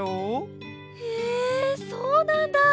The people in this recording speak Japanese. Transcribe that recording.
えそうなんだ！